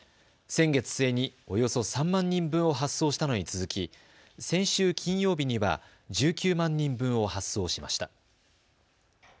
先月末におよそ３万人分を発送したのに続き先週金曜日には１９万人分を発送しました。